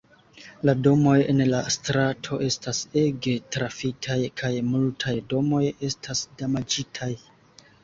La domoj en la strato estas ege trafitaj kaj multaj domoj estas damaĝitaj.